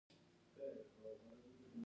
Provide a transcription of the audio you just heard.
نن موسم څنګه دی؟